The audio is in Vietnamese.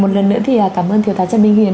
một lần nữa thì cảm ơn thiếu tá trần minh hiền